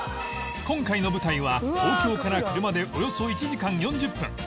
今回の舞台は東京から車でおよそ１時間４０分